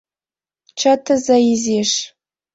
— Чытыза изиш.